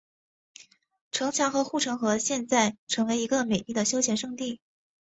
城墙和护城河现在成为一个美丽的休闲胜地。